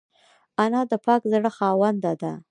انا د پاک زړه خاونده ده